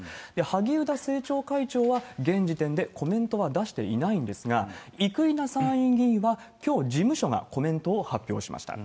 萩生田政調会長は、現時点でコメントは出していないんですが、生稲参院議員は、きょう、事務所がコメントを発表しました。